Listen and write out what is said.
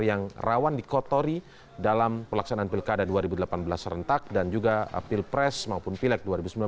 yang rawan dikotori dalam pelaksanaan pilkada dua ribu delapan belas serentak dan juga pilpres maupun pileg dua ribu sembilan belas